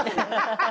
ハハハ。